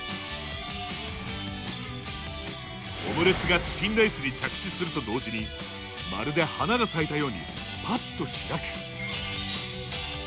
オムレツがチキンライスに着地すると同時にまるで花が咲いたようにパッと開く！